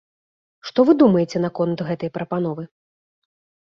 Што вы думаеце наконт гэтай прапановы?